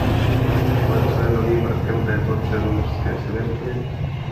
Ale co je novým prvkem této černomořské synergie?